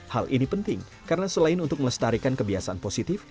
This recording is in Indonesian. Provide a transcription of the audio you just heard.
hal ini penting karena selain untuk melestarikan kebiasaan positif